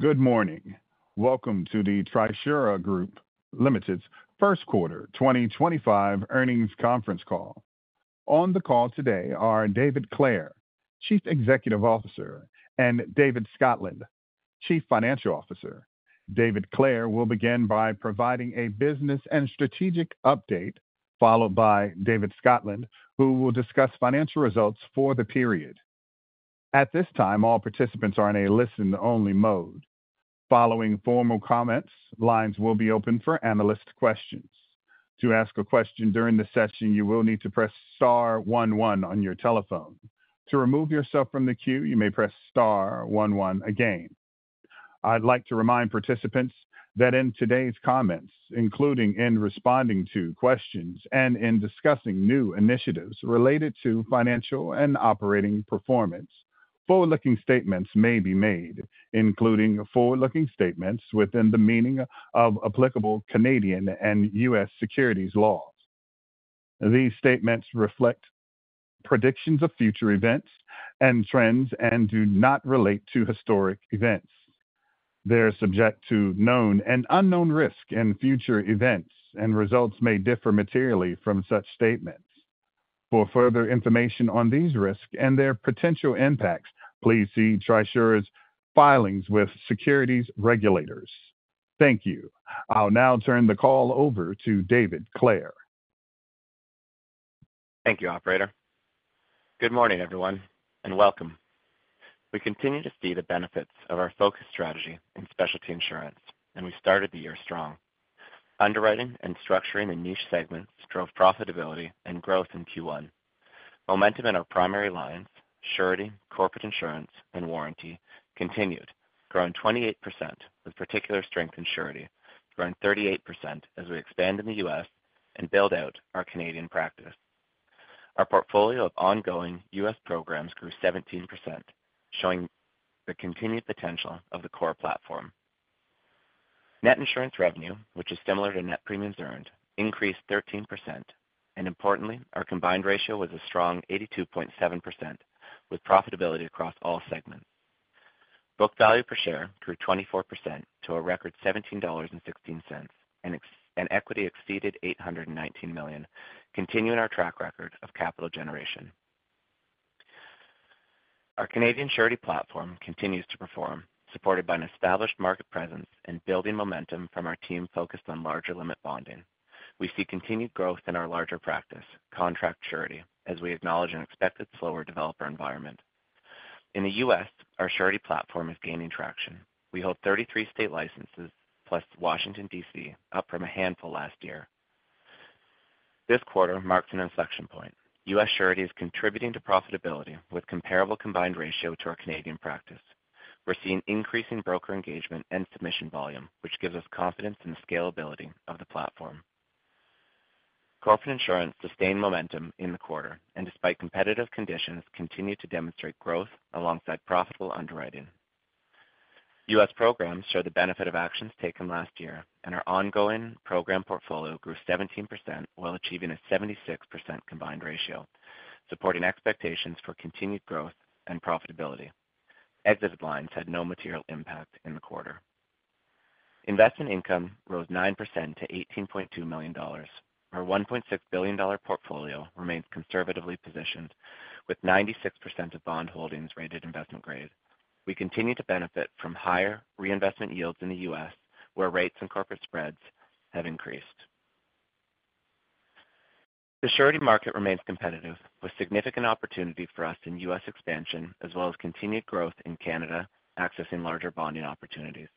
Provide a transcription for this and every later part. Good morning. Welcome to the Trisura Group Limited's first quarter 2025 earnings conference call. On the call today are David Clare, Chief Executive Officer, and David Scotland, Chief Financial Officer. David Clare will begin by providing a business and strategic update, followed by David Scotland, who will discuss financial results for the period. At this time, all participants are in a listen-only mode. Following formal comments, lines will be open for analyst questions. To ask a question during the session, you will need to press star 11 on your telephone. To remove yourself from the queue, you may press star 11 again. I'd like to remind participants that in today's comments, including in responding to questions and in discussing new initiatives related to financial and operating performance, forward-looking statements may be made, including forward-looking statements within the meaning of applicable Canadian and U.S. securities laws. These statements reflect predictions of future events and trends and do not relate to historic events. They are subject to known and unknown risk in future events, and results may differ materially from such statements. For further information on these risks and their potential impacts, please see Trisura's filings with securities regulators. Thank you. I'll now turn the call over to David Clare. Thank you, Operator. Good morning, everyone, and welcome. We continue to see the benefits of our focus strategy in specialty insurance, and we started the year strong. Underwriting and structuring the niche segments drove profitability and growth in Q1. Momentum in our primary lines, surety, corporate insurance, and warranty continued, growing 28% with particular strength in surety, growing 38% as we expand in the U.S. and build out our Canadian practice. Our portfolio of ongoing U.S. programs grew 17%, showing the continued potential of the core platform. Net insurance revenue, which is similar to net premiums earned, increased 13%. Importantly, our combined ratio was a strong 82.7%, with profitability across all segments. book value per share grew 24% to a record $17.16, and equity exceeded $819 million, continuing our track record of capital generation. Our Canadian surety platform continues to perform, supported by an established market presence and building momentum from our team focused on larger limit bonding. We see continued growth in our larger practice, contract surety, as we acknowledge an expected slower developer environment. In the U.S., our surety platform is gaining traction. We hold 33 state licenses, plus Washington, D.C., up from a handful last year. This quarter marks an inflection point. U.S. surety is contributing to profitability with a comparable combined ratio to our Canadian practice. We're seeing increasing broker engagement and submission volume, which gives us confidence in the scalability of the platform. Corporate insurance sustained momentum in the quarter, and despite competitive conditions, continued to demonstrate growth alongside profitable underwriting. U.S. programs show the benefit of actions taken last year, and our ongoing program portfolio grew 17% while achieving a 76% combined ratio, supporting expectations for continued growth and profitability. Exit lines had no material impact in the quarter. Investment income rose 9% to $18.2 million. Our $1.6 billion portfolio remains conservatively positioned, with 96% of bond holdings rated investment grade. We continue to benefit from higher reinvestment yields in the U.S., where rates and corporate spreads have increased. The surety market remains competitive, with significant opportunity for us in U.S. expansion, as well as continued growth in Canada accessing larger bonding opportunities.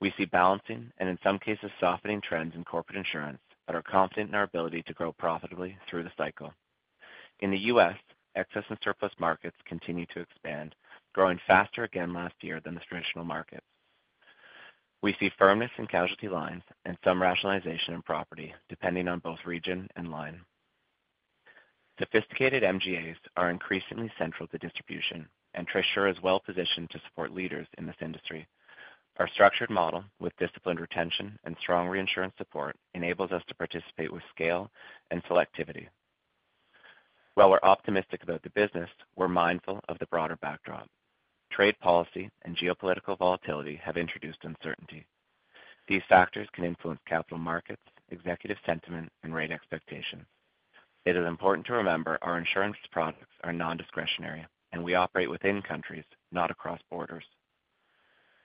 We see balancing and, in some cases, softening trends in corporate insurance that are confident in our ability to grow profitably through the cycle. In the U.S., excess and surplus markets continue to expand, growing faster again last year than the traditional markets. We see firmness in casualty lines and some rationalization in property, depending on both region and line. Sophisticated MGAs are increasingly central to distribution, and Trisura is well positioned to support leaders in this industry. Our structured model, with disciplined retention and strong reinsurance support, enables us to participate with scale and selectivity. While we're optimistic about the business, we're mindful of the broader backdrop. Trade policy and geopolitical volatility have introduced uncertainty. These factors can influence capital markets, executive sentiment, and rate expectations. It is important to remember our insurance products are non-discretionary, and we operate within countries, not across borders.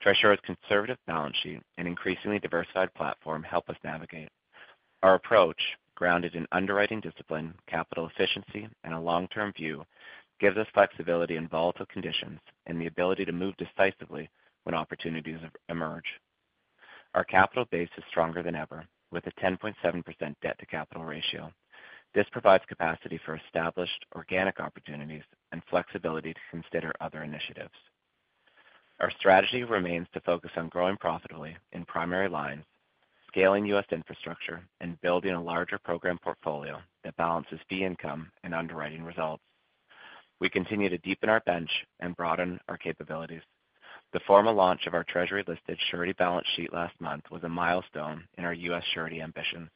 Trisura's conservative balance sheet and increasingly diversified platform help us navigate. Our approach, grounded in underwriting discipline, capital efficiency, and a long-term view, gives us flexibility in volatile conditions and the ability to move decisively when opportunities emerge. Our capital base is stronger than ever, with a 10.7% debt-to-capital ratio. This provides capacity for established organic opportunities and flexibility to consider other initiatives. Our strategy remains to focus on growing profitably in primary lines, scaling U.S. infrastructure, and building a larger program portfolio that balances fee income and underwriting results. We continue to deepen our bench and broaden our capabilities. The formal launch of our Treasury-listed surety balance sheet last month was a milestone in our U.S. surety ambitions.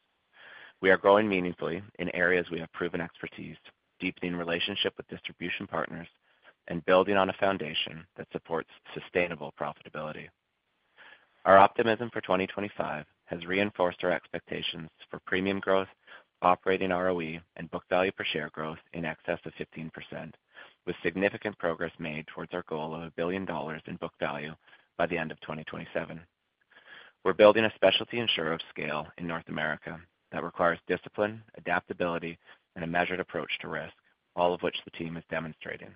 We are growing meaningfully in areas we have proven expertise, deepening relationships with distribution partners, and building on a foundation that supports sustainable profitability. Our optimism for 2025 has reinforced our expectations for premium growth, operating ROE, and book value per share growth in excess of 15%, with significant progress made towards our goal of $1 billion in book value by the end of 2027. We're building a specialty insurer of scale in North America that requires discipline, adaptability, and a measured approach to risk, all of which the team is demonstrating.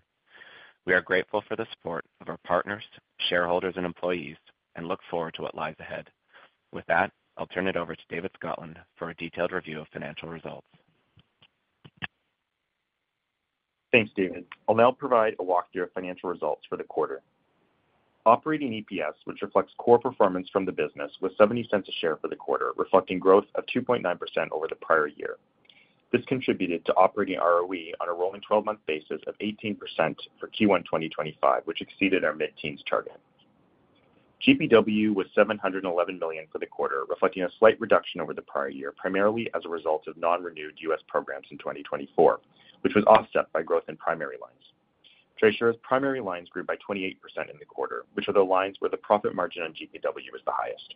We are grateful for the support of our partners, shareholders, and employees, and look forward to what lies ahead. With that, I'll turn it over to David Scotland for a detailed review of financial results. Thanks, David. I'll now provide a walkthrough of financial results for the quarter. Operating EPS, which reflects core performance from the business, was $0.70 a share for the quarter, reflecting growth of 2.9% over the prior year. This contributed to operating ROE on a rolling 12-month basis of 18% for Q1 2025, which exceeded our mid-teens target. GPW was $711 million for the quarter, reflecting a slight reduction over the prior year, primarily as a result of non-renewed U.S. programs in 2024, which was offset by growth in primary lines. Trisura's primary lines grew by 28% in the quarter, which are the lines where the profit margin on GPW was the highest.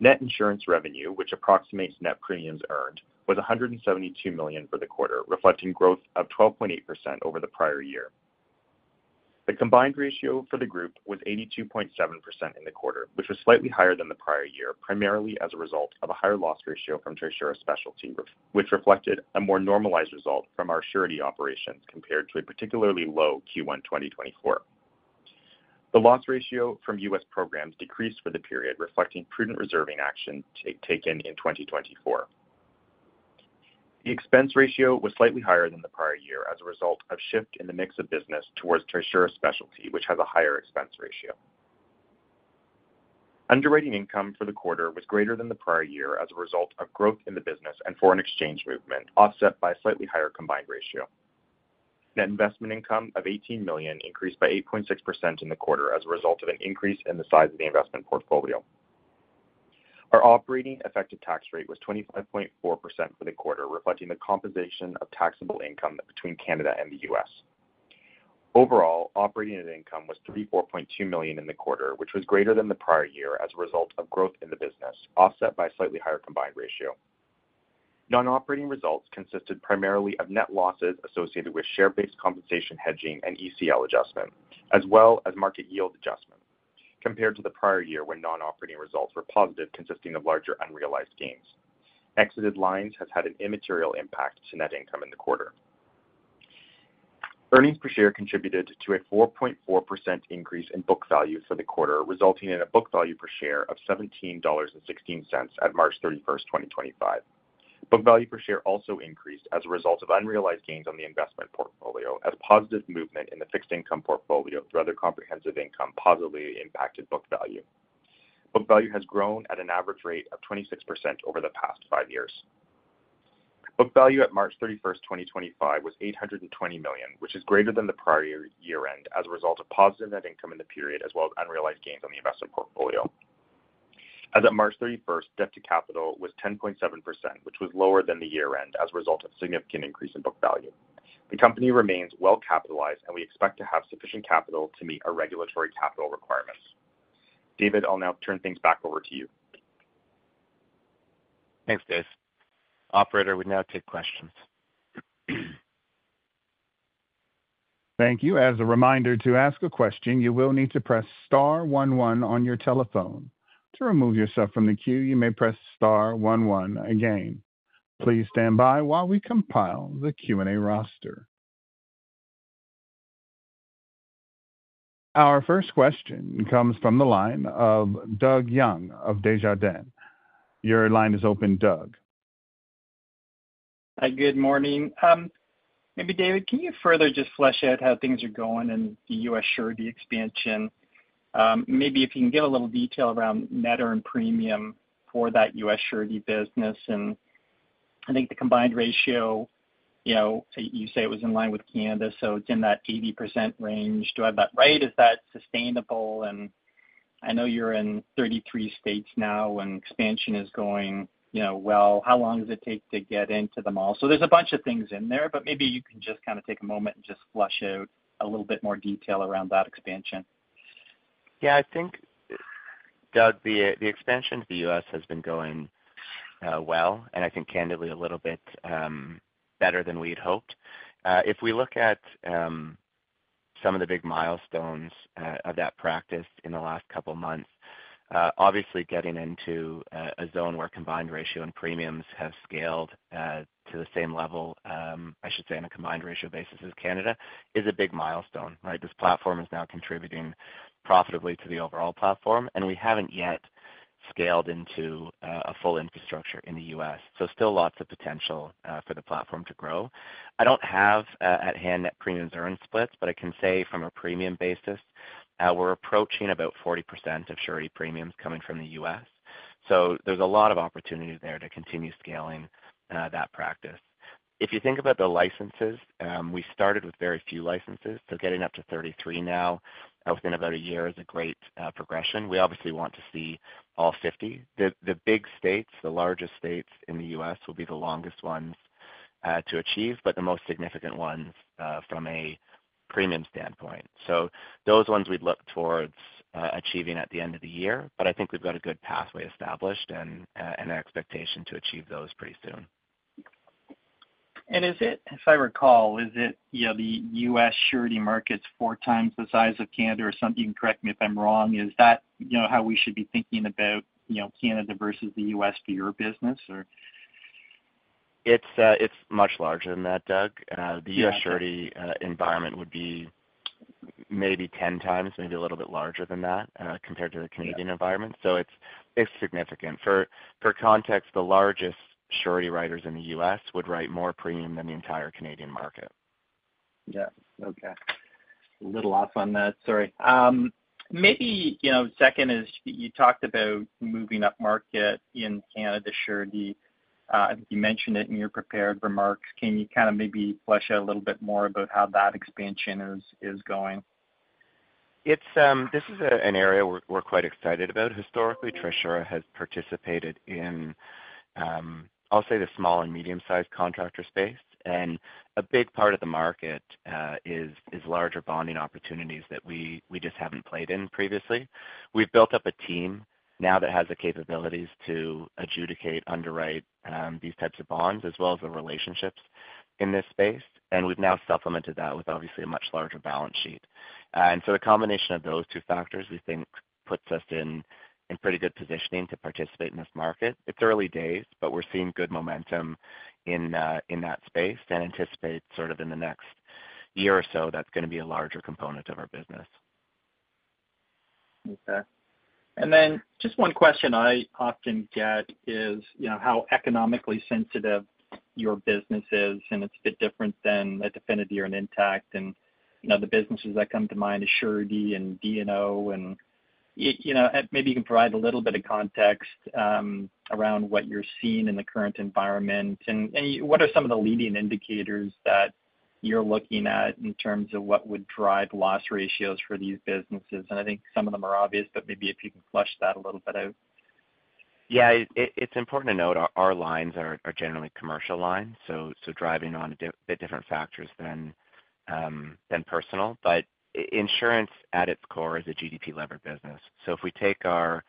Net insurance revenue, which approximates net premiums earned, was $172 million for the quarter, reflecting growth of 12.8% over the prior year. The combined ratio for the group was 82.7% in the quarter, which was slightly higher than the prior year, primarily as a result of a higher loss ratio from Trisura Specialty, which reflected a more normalized result from our surety operations compared to a particularly low Q1 2024. The loss ratio from U.S. programs decreased for the period, reflecting prudent reserving action taken in 2024. The expense ratio was slightly higher than the prior year as a result of a shift in the mix of business towards Trisura Specialty, which has a higher expense ratio. Underwriting income for the quarter was greater than the prior year as a result of growth in the business and foreign exchange movement, offset by a slightly higher combined ratio. Net investment income of $18 million increased by 8.6% in the quarter as a result of an increase in the size of the investment portfolio. Our operating effective tax rate was 25.4% for the quarter, reflecting the composition of taxable income between Canada and the U.S. Overall, operating income was $34.2 million in the quarter, which was greater than the prior year as a result of growth in the business, offset by a slightly higher combined ratio. Non-operating results consisted primarily of net losses associated with share-based compensation hedging and ECL adjustment, as well as market yield adjustment, compared to the prior year when non-operating results were positive, consisting of larger unrealized gains. Exited lines have had an immaterial impact to net income in the quarter. Earnings per share contributed to a 4.4% increase in book value for the quarter, resulting in a book value per share of $17.16 at March 31, 2025. Book value per share also increased as a result of unrealized gains on the investment portfolio, as positive movement in the fixed income portfolio through other comprehensive income positively impacted book value. Book value has grown at an average rate of 26% over the past five years. Book value at March 31, 2025, was $820 million, which is greater than the prior year-end as a result of positive net income in the period, as well as unrealized gains on the investment portfolio. As of March 31, debt-to-capital was 10.7%, which was lower than the year-end as a result of a significant increase in book value. The company remains well-capitalized, and we expect to have sufficient capital to meet our regulatory capital requirements. David, I'll now turn things back over to you. Thanks, Dave. Operator would now take questions. Thank you. As a reminder to ask a question, you will need to press star 11 on your telephone. To remove yourself from the queue, you may press star 11 again. Please stand by while we compile the Q&A roster. Our first question comes from the line of Doug Young of Desjardins. Your line is open, Doug. Hi, good morning. Maybe, David, can you further just flesh out how things are going in the U.S. surety expansion? Maybe if you can give a little detail around net earned premium for that U.S. surety business. I think the combined ratio, you say it was in line with Canada, so it's in that 80% range. Do I have that right? Is that sustainable? I know you're in 33 states now, and expansion is going well. How long does it take to get into them all? There's a bunch of things in there, but maybe you can just kind of take a moment and just flesh out a little bit more detail around that expansion. Yeah, I think, Doug, the expansion to the U.S. has been going well, and I think, candidly, a little bit better than we had hoped. If we look at some of the big milestones of that practice in the last couple of months, obviously getting into a zone where combined ratio and premiums have scaled to the same level, I should say, on a combined ratio basis as Canada is a big milestone. This platform is now contributing profitably to the overall platform, and we haven't yet scaled into a full infrastructure in the U.S., so still lots of potential for the platform to grow. I don't have at hand net premiums earned splits, but I can say from a premium basis, we're approaching about 40% of surety premiums coming from the U.S., so there's a lot of opportunity there to continue scaling that practice. If you think about the licenses, we started with very few licenses, so getting up to 33 now within about a year is a great progression. We obviously want to see all 50. The big states, the largest states in the U.S., will be the longest ones to achieve, but the most significant ones from a premium standpoint. Those ones we'd look towards achieving at the end of the year, but I think we've got a good pathway established and an expectation to achieve those pretty soon. Is it, if I recall, is it the U.S. surety market's four times the size of Canada or something? You can correct me if I'm wrong. Is that how we should be thinking about Canada versus the U.S. for your business, or? It's much larger than that, Doug. The U.S. surety environment would be maybe 10 times, maybe a little bit larger than that compared to the Canadian environment, so it's significant. For context, the largest surety writers in the U.S. would write more premium than the entire Canadian market. Yeah. Okay. A little off on that. Sorry. Maybe second is you talked about moving up market in Canada surety. I think you mentioned it in your prepared remarks. Can you kind of maybe flesh out a little bit more about how that expansion is going? This is an area we're quite excited about. Historically, Trisura has participated in, I'll say, the small and medium-sized contractor space, and a big part of the market is larger bonding opportunities that we just haven't played in previously. We've built up a team now that has the capabilities to adjudicate, underwrite these types of bonds, as well as the relationships in this space, and we've now supplemented that with, obviously, a much larger balance sheet. A combination of those two factors, we think, puts us in pretty good positioning to participate in this market. It's early days, but we're seeing good momentum in that space and anticipate sort of in the next year or so that's going to be a larger component of our business. Okay. And then just one question I often get is how economically sensitive your business is, and it's a bit different than at Definity or Intact, and the businesses that come to mind are surety and D&O. Maybe you can provide a little bit of context around what you're seeing in the current environment, and what are some of the leading indicators that you're looking at in terms of what would drive loss ratios for these businesses? I think some of them are obvious, but maybe if you can flesh that a little bit out. Yeah. It's important to note our lines are generally commercial lines, so driving on a bit different factors than personal, but insurance at its core is a GDP-levered business. If we take a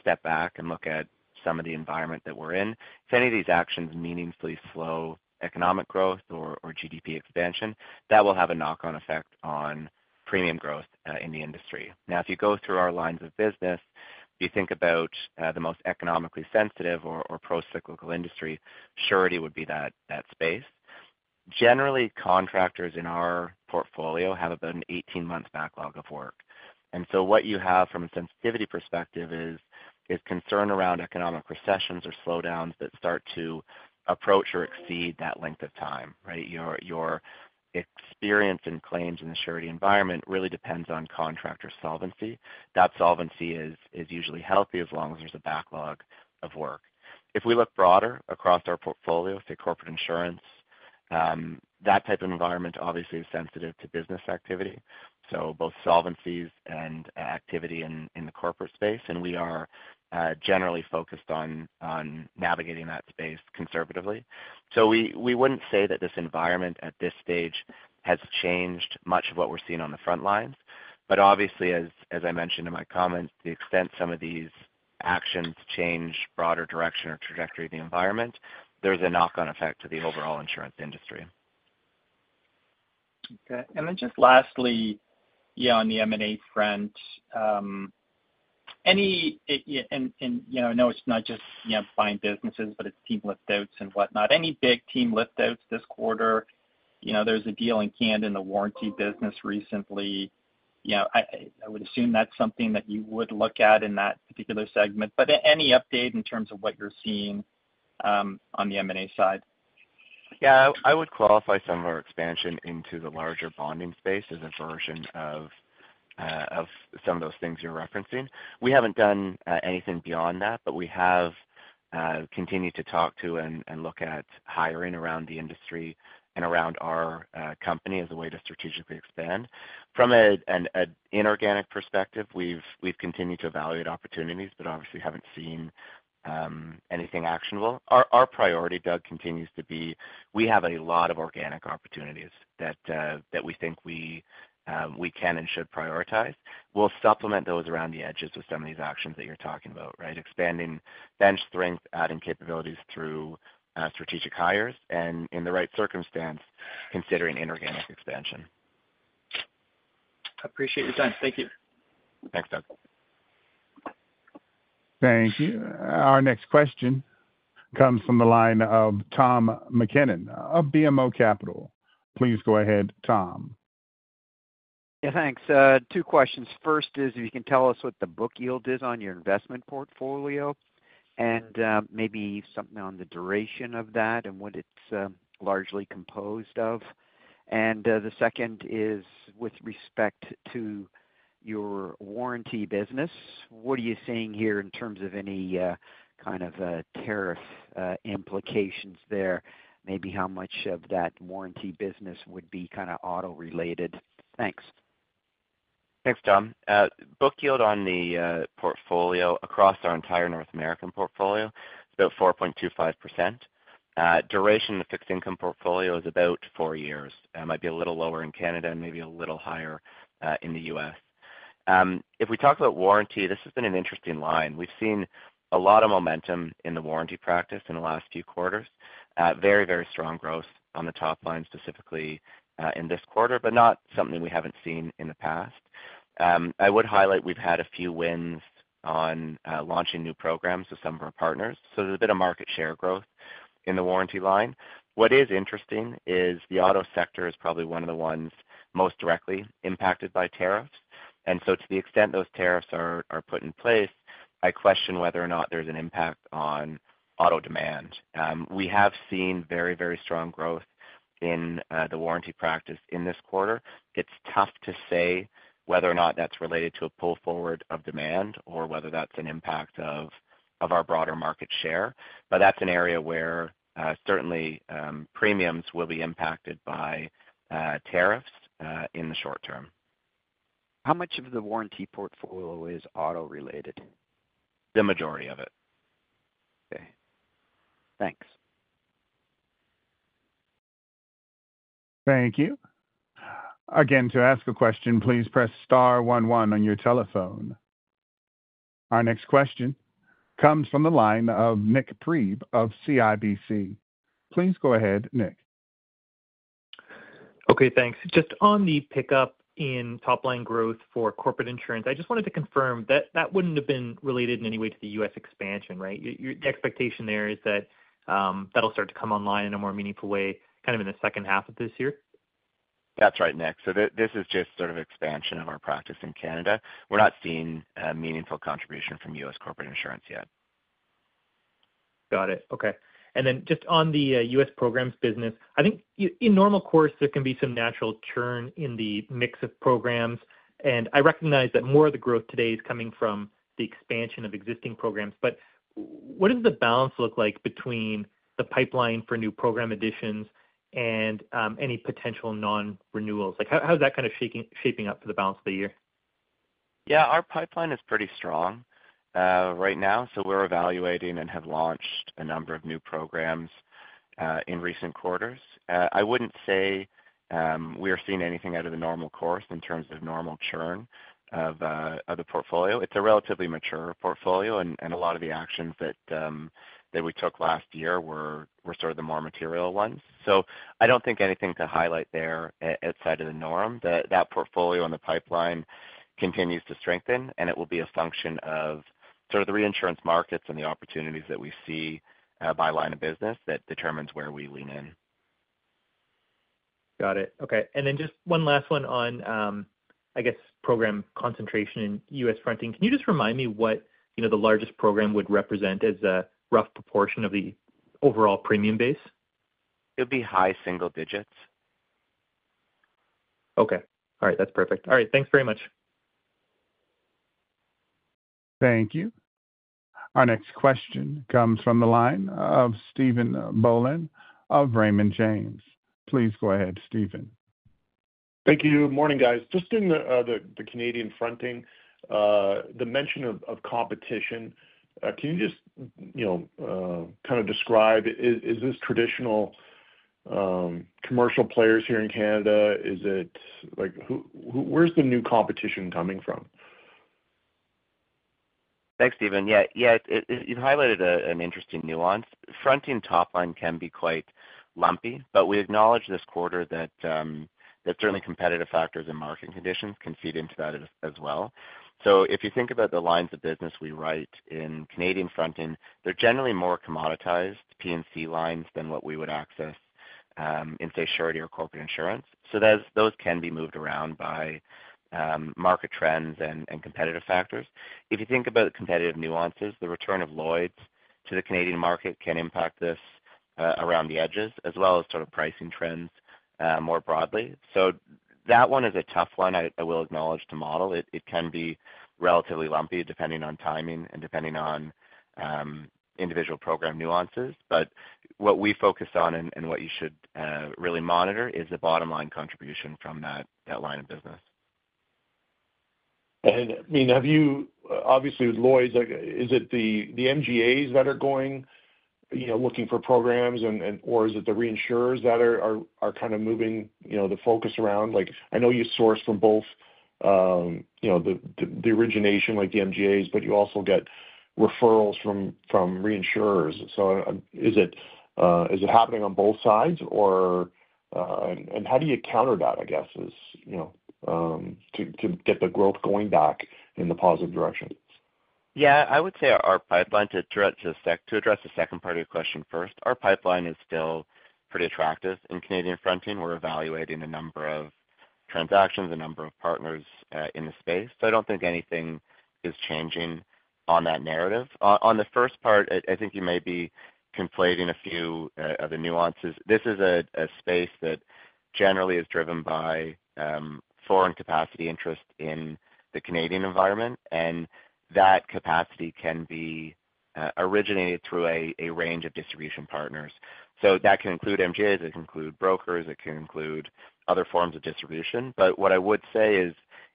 step back and look at some of the environment that we're in, if any of these actions meaningfully slow economic growth or GDP expansion, that will have a knock-on effect on premium growth in the industry. Now, if you go through our lines of business, you think about the most economically sensitive or pro-cyclical industry, surety would be that space. Generally, contractors in our portfolio have about an 18-month backlog of work, and so what you have from a sensitivity perspective is concern around economic recessions or slowdowns that start to approach or exceed that length of time. Your experience in claims in the surety environment really depends on contractor solvency. That solvency is usually healthy as long as there's a backlog of work. If we look broader across our portfolio, say, corporate insurance, that type of environment obviously is sensitive to business activity, so both solvencies and activity in the corporate space, and we are generally focused on navigating that space conservatively. We wouldn't say that this environment at this stage has changed much of what we're seeing on the front lines, but obviously, as I mentioned in my comments, the extent some of these actions change broader direction or trajectory of the environment, there's a knock-on effect to the overall insurance industry. Okay. Lastly, on the M&A front, and I know it's not just buying businesses, but it's team lift-outs and whatnot. Any big team lift-outs this quarter? There is a deal in Canada in the warranty business recently. I would assume that's something that you would look at in that particular segment, but any update in terms of what you're seeing on the M&A side? Yeah. I would qualify some of our expansion into the larger bonding space as a version of some of those things you're referencing. We haven't done anything beyond that, but we have continued to talk to and look at hiring around the industry and around our company as a way to strategically expand. From an inorganic perspective, we've continued to evaluate opportunities, but obviously haven't seen anything actionable. Our priority, Doug, continues to be we have a lot of organic opportunities that we think we can and should prioritize. We'll supplement those around the edges with some of these actions that you're talking about, expanding bench strength, adding capabilities through strategic hires, and in the right circumstance, considering inorganic expansion. I appreciate your time. Thank you. Thanks, Doug. Thank you. Our next question comes from the line of Tom MacKinnon of BMO Capital. Please go ahead, Tom. Yeah, thanks. Two questions. First is, if you can tell us what the book yield is on your investment portfolio and maybe something on the duration of that and what it's largely composed of. The second is, with respect to your warranty business, what are you seeing here in terms of any kind of tariff implications there? Maybe how much of that warranty business would be kind of auto-related? Thanks. Thanks, Tom. Book yield on the portfolio across our entire North American portfolio is about 4.25%. Duration of the fixed income portfolio is about four years. It might be a little lower in Canada and maybe a little higher in the U.S. If we talk about warranty, this has been an interesting line. We've seen a lot of momentum in the warranty practice in the last few quarters, very, very strong growth on the top line, specifically in this quarter, but not something we haven't seen in the past. I would highlight we've had a few wins on launching new programs with some of our partners, so there's a bit of market share growth in the warranty line. What is interesting is the auto sector is probably one of the ones most directly impacted by tariffs, and to the extent those tariffs are put in place, I question whether or not there's an impact on auto demand. We have seen very, very strong growth in the warranty practice in this quarter. It's tough to say whether or not that's related to a pull forward of demand or whether that's an impact of our broader market share, but that's an area where certainly premiums will be impacted by tariffs in the short term. How much of the Warranty portfolio is auto-related? The majority of it. Okay. Thanks. Thank you. Again, to ask a question, please press star 11 on your telephone. Our next question comes from the line of Nick Priebe of CIBC. Please go ahead, Nick. Okay. Thanks. Just on the pickup in top-line growth for Corporate Insurance, I just wanted to confirm that that wouldn't have been related in any way to the U.S. expansion, right? The expectation there is that that'll start to come online in a more meaningful way kind of in the second half of this year. That's right, Nick. This is just sort of expansion of our practice in Canada. We're not seeing a meaningful contribution from U.S. corporate insurance yet. Got it. Okay. Just on the U.S. programs business, I think in normal course, there can be some natural churn in the mix of programs, and I recognize that more of the growth today is coming from the expansion of existing programs, but what does the balance look like between the pipeline for new program additions and any potential non-renewals? How's that kind of shaping up for the balance of the year? Yeah. Our pipeline is pretty strong right now, so we're evaluating and have launched a number of new programs in recent quarters. I wouldn't say we are seeing anything out of the normal course in terms of normal churn of the portfolio. It's a relatively mature portfolio, and a lot of the actions that we took last year were sort of the more material ones. I don't think anything to highlight there outside of the norm. That portfolio and the pipeline continues to strengthen, and it will be a function of sort of the reinsurance markets and the opportunities that we see by line of business that determines where we lean in. Got it. Okay. And then just one last one on, I guess, program concentration in U.S. fronting. Can you just remind me what the largest program would represent as a rough proportion of the overall premium base? It would be high single digits. Okay. All right. That's perfect. All right. Thanks very much. Thank you. Our next question comes from the line of Stephen Boland of Raymond James. Please go ahead, Stephen. Thank you. Morning, guys. Just in the Canadian fronting, the mention of competition, can you just kind of describe, is this traditional commercial players here in Canada? Where's the new competition coming from? Thanks, Stephen. Yeah. You've highlighted an interesting nuance. Fronting top line can be quite lumpy, but we acknowledge this quarter that certainly competitive factors and market conditions can feed into that as well. If you think about the lines of business we write in Canadian fronting, they're generally more commoditized P&C lines than what we would access in, say, surety or corporate insurance. Those can be moved around by market trends and competitive factors. If you think about the competitive nuances, the return of Lloyd's to the Canadian market can impact this around the edges, as well as sort of pricing trends more broadly. That one is a tough one, I will acknowledge, to model. It can be relatively lumpy depending on timing and depending on individual program nuances, but what we focus on and what you should really monitor is the bottom line contribution from that line of business. I mean, obviously, with Lloyd's, is it the MGAs that are going looking for programs, or is it the reinsurers that are kind of moving the focus around? I know you source from both the origination, like the MGAs, but you also get referrals from reinsurers. Is it happening on both sides, or? How do you counter that, I guess, to get the growth going back in the positive direction? Yeah. I would say our pipeline, to address the second part of your question first, our pipeline is still pretty attractive in Canadian fronting. We're evaluating a number of transactions, a number of partners in the space, so I don't think anything is changing on that narrative. On the first part, I think you may be conflating a few of the nuances. This is a space that generally is driven by foreign capacity interest in the Canadian environment, and that capacity can be originated through a range of distribution partners. That can include MGAs. It can include brokers. It can include other forms of distribution. What I would say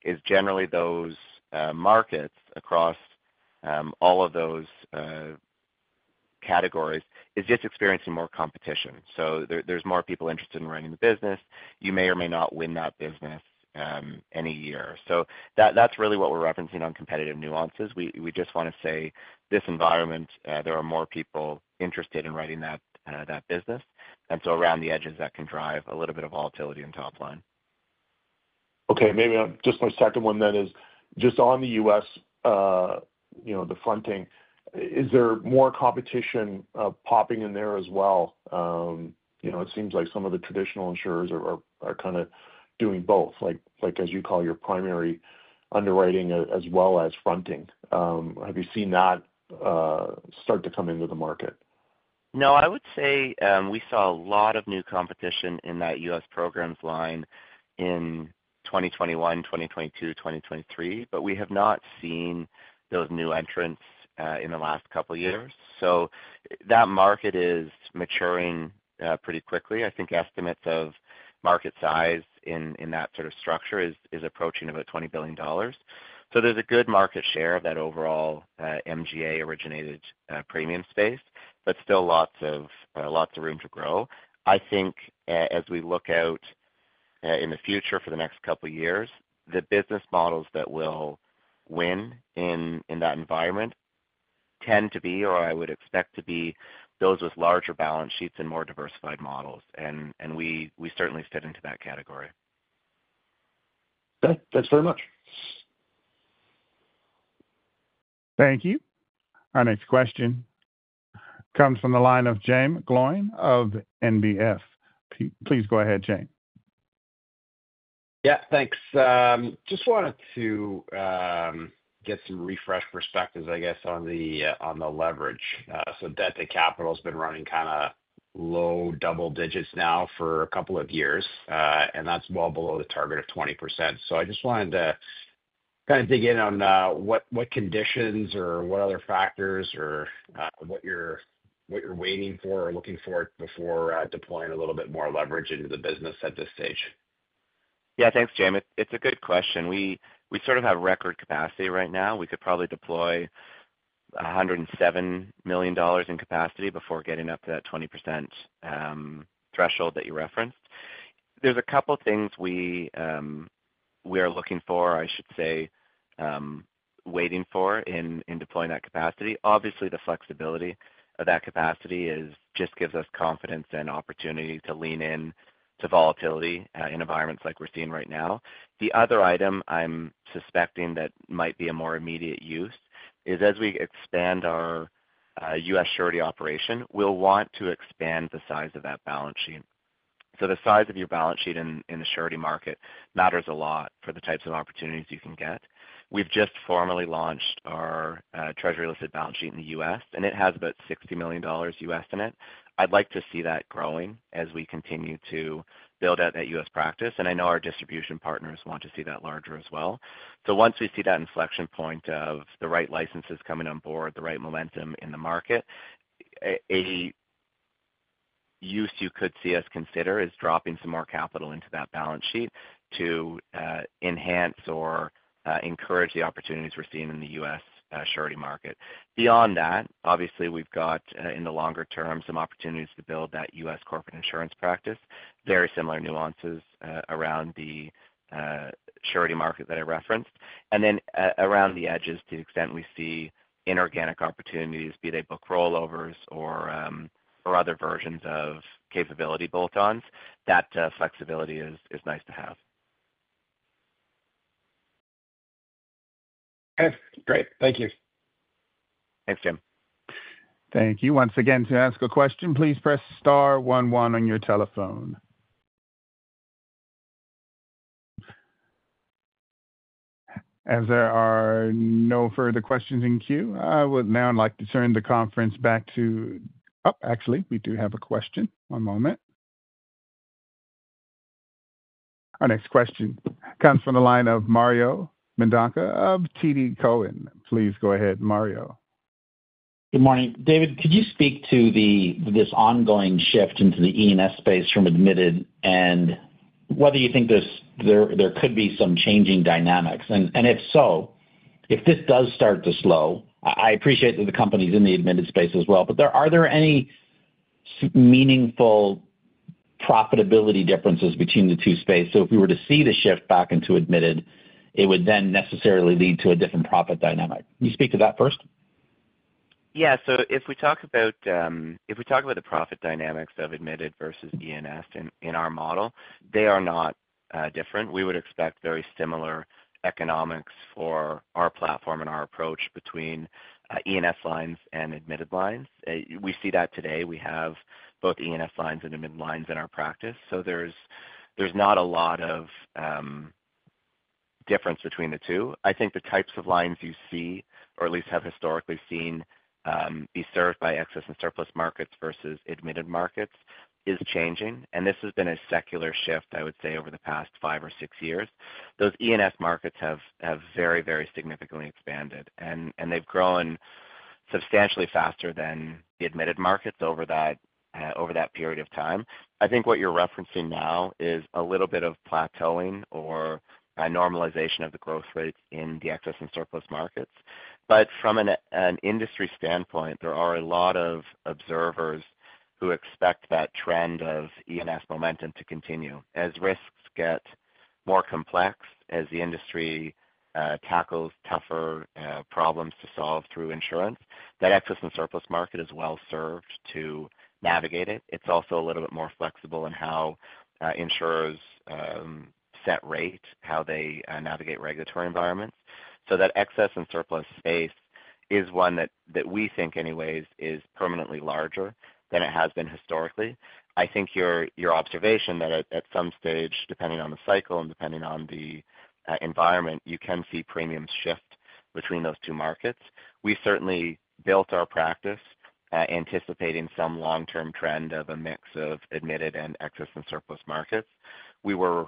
is generally those markets across all of those categories are just experiencing more competition. There are more people interested in running the business. You may or may not win that business any year. That's really what we're referencing on competitive nuances. We just want to say this environment, there are more people interested in writing that business, and so around the edges, that can drive a little bit of volatility in top line. Okay. Maybe just my second one then is just on the U.S., the fronting, is there more competition popping in there as well? It seems like some of the traditional insurers are kind of doing both, as you call your primary underwriting as well as fronting. Have you seen that start to come into the market? No. I would say we saw a lot of new competition in that U.S. programs line in 2021, 2022, 2023, but we have not seen those new entrants in the last couple of years. That market is maturing pretty quickly. I think estimates of market size in that sort of structure is approaching about $20 billion. There is a good market share of that overall MGA originated premium space, but still lots of room to grow. I think as we look out in the future for the next couple of years, the business models that will win in that environment tend to be, or I would expect to be, those with larger balance sheets and more diversified models, and we certainly fit into that category. Thanks very much. Thank you. Our next question comes from the line of Jaeme Gloyn of NBF. Please go ahead, Jaeme. Yeah. Thanks. Just wanted to get some refreshed perspectives, I guess, on the leverage. Debt-to-Capital has been running kind of low double digits now for a couple of years, and that's well below the target of 20%. I just wanted to kind of dig in on what conditions or what other factors or what you're waiting for or looking for before deploying a little bit more leverage into the business at this stage. Yeah. Thanks, Jaeme. It's a good question. We sort of have record capacity right now. We could probably deploy $107 million in capacity before getting up to that 20% threshold that you referenced. There are a couple of things we are looking for, I should say, waiting for in deploying that capacity. Obviously, the flexibility of that capacity just gives us confidence and opportunity to lean into volatility in environments like we're seeing right now. The other item I'm suspecting that might be a more immediate use is as we expand our U.S. surety operation, we'll want to expand the size of that balance sheet. The size of your balance sheet in the surety market matters a lot for the types of opportunities you can get. We've just formally launched our treasury-listed balance sheet in the U.S., and it has about $60 million in it. I'd like to see that growing as we continue to build out that U.S. practice, and I know our distribution partners want to see that larger as well. Once we see that inflection point of the right licenses coming on board, the right momentum in the market, a use you could see us consider is dropping some more capital into that balance sheet to enhance or encourage the opportunities we're seeing in the U.S. surety market. Beyond that, obviously, we've got, in the longer term, some opportunities to build that U.S. corporate insurance practice, very similar nuances around the surety market that I referenced, and then around the edges to the extent we see inorganic opportunities, be they book rollovers or other versions of capability bolt-ons. That flexibility is nice to have. Okay. Great. Thank you. Thanks, Jaeme. Thank you. Once again, to ask a question, please press star 11 on your telephone. As there are no further questions in queue, I would now like to turn the conference back to—oh, actually, we do have a question. One moment. Our next question comes from the line of Mario Mendonca of TD Cowen. Please go ahead, Mario. Good morning. David, could you speak to this ongoing shift into the E&S space from admitted and whether you think there could be some changing dynamics? If this does start to slow, I appreciate that the company's in the admitted space as well, but are there any meaningful profitability differences between the two spaces? If we were to see the shift back into admitted, it would then necessarily lead to a different profit dynamic. Can you speak to that first? Yeah. If we talk about the profit dynamics of admitted versus E&S in our model, they are not different. We would expect very similar economics for our platform and our approach between E&S lines and admitted lines. We see that today. We have both E&S lines and admitted lines in our practice. There is not a lot of difference between the two. I think the types of lines you see, or at least have historically seen, be served by excess and surplus markets versus admitted markets is changing, and this has been a secular shift, I would say, over the past five or six years. Those E&S markets have very, very significantly expanded, and they have grown substantially faster than the admitted markets over that period of time. I think what you're referencing now is a little bit of plateauing or normalization of the growth rates in the excess and surplus markets, but from an industry standpoint, there are a lot of observers who expect that trend of E&S momentum to continue. As risks get more complex, as the industry tackles tougher problems to solve through insurance, that excess and surplus market is well served to navigate it. It is also a little bit more flexible in how insurers set rate, how they navigate regulatory environments. That excess and surplus space is one that we think, anyways, is permanently larger than it has been historically. I think your observation that at some stage, depending on the cycle and depending on the environment, you can see premiums shift between those two markets. We certainly built our practice anticipating some long-term trend of a mix of admitted and excess and surplus markets. We were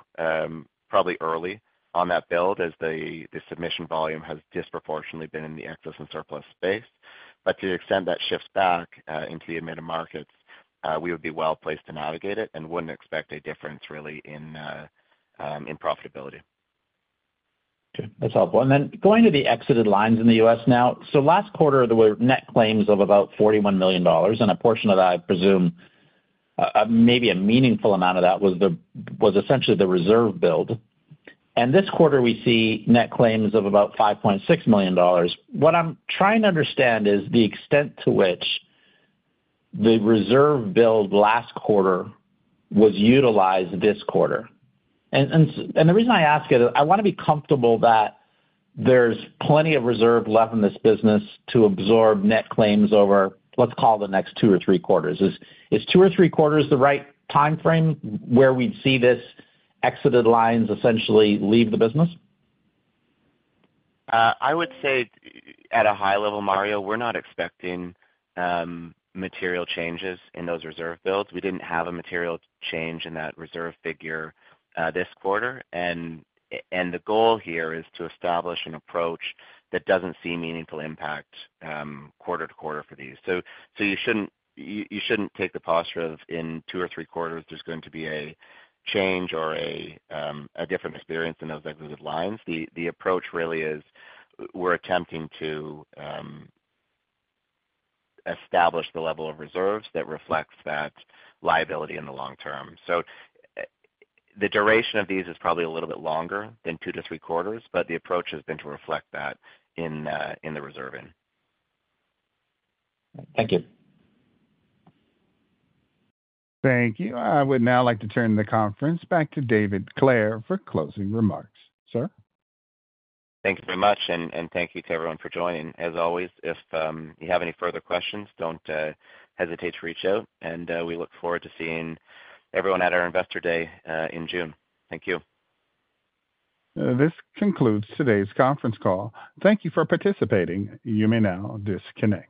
probably early on that build as the submission volume has disproportionately been in the excess and surplus space, but to the extent that shifts back into the admitted markets, we would be well placed to navigate it and would not expect a difference really in profitability. Okay. That's helpful. Going to the exited lines in the U.S. now, last quarter, there were net claims of about $41 million, and a portion of that, I presume, maybe a meaningful amount of that was essentially the reserve build. This quarter, we see net claims of about $5.6 million. What I'm trying to understand is the extent to which the reserve build last quarter was utilized this quarter. The reason I ask it is I want to be comfortable that there's plenty of reserve left in this business to absorb net claims over, let's call it, the next two or three quarters. Is two or three quarters the right time frame where we'd see these exited lines essentially leave the business? I would say at a high level, Mario, we're not expecting material changes in those reserve builds. We didn't have a material change in that reserve figure this quarter, and the goal here is to establish an approach that doesn't see meaningful impact quarter to quarter for these. You shouldn't take the posture of in two or three quarters, there's going to be a change or a different experience in those exited lines. The approach really is we're attempting to establish the level of reserves that reflects that liability in the long term. The duration of these is probably a little bit longer than two to three quarters, but the approach has been to reflect that in the reserving. Thank you. Thank you. I would now like to turn the conference back to David Clare for closing remarks. Sir? Thank you very much, and thank you to everyone for joining. As always, if you have any further questions, do not hesitate to reach out, and we look forward to seeing everyone at our investor day in June. Thank you. This concludes today's conference call. Thank you for participating. You may now disconnect.